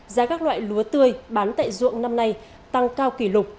giá các loại lúa tươi bán tại ruộng năm nay tăng cao kỷ lục